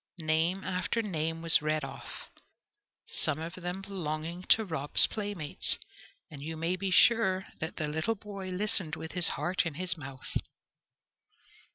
Name after name was read off, some of them belonging to Rob's playmates, and you may be sure that the little boy listened with his heart in his mouth.